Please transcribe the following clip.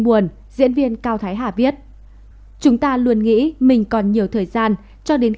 buồn diễn viên cao thái hà viết chúng ta luôn nghĩ mình còn nhiều thời gian cho đến khi nhận ra đến lời chào của người thân